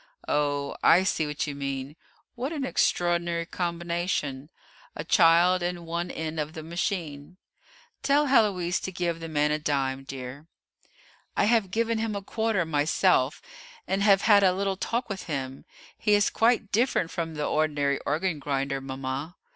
Oh, I see what you mean; what an extraordinary combination a child in one end of the machine! Tell Héloise to give the man a dime, dear." "I have given him a quarter myself, and have had a little talk with him; he is quite different from the ordinary organ grinder, mama."